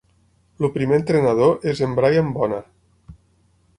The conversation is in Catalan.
El primer entrenador és en Brian Vona.